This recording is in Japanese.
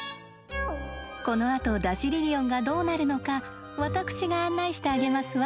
このあとダシリリオンがどうなるのか私が案内してあげますわ。